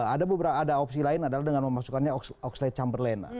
ada opsi lain adalah dengan memasukkannya oxlade chamberlain